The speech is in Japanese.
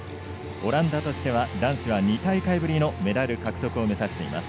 オランダとしては男子は２大会ぶりのメダル獲得を目指しています。